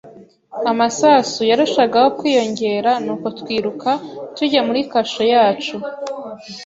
Amasasu yarushagaho kwiyongera, nuko twiruka tujya muri kasho yacu.